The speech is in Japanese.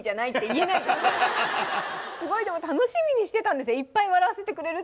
すごいでも楽しみにしてたんですよ。